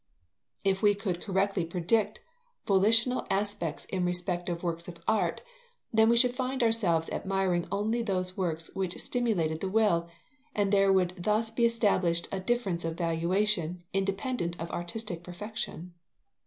If we could correctly predicate volitional acts in respect of works of art, then we should find ourselves admiring only those works which stimulated the will, and there would thus be established a difference of valuation, independent of artistic perfection.